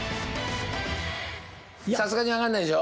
さすがにわかんないでしょ。